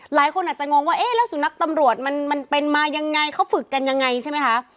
หลายคนอาจจะงงว่าเอ๊ะแล้วสุนัขตำรวจมันเป็นมายังไงเขาฝึกกันยังไงใช่ไหมคะ